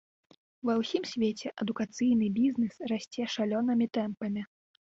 Ва ўсім свеце адукацыйны бізнэс расце шалёнымі тэмпамі.